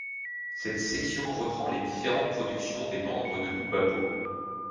Cette section reprend les différentes productions des membres de l'OuBaPo.